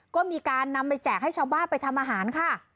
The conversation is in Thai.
ก็มีการนำไปแจกให้ชาวบ้านไปทำอาหารค่ะ